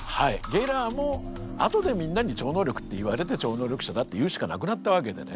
ゲラーも後でみんなに超能力って言われて超能力者だって言うしかなくなったわけでね。